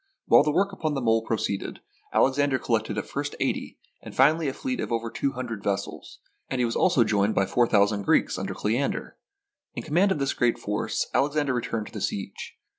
While the work upon the mole proceeded, Alexander collected at first eighty, and finally a fleet of over two hundred vessels, and he was also joined by four thousand Greeks under Ole ander. In command of this great force, Alexander returned to the siege.